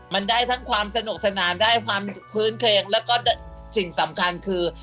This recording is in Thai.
มันได้ทั้งความสนุกสนานได้ความพื้นเครงแล้วก็สิ่งสำคัญคือ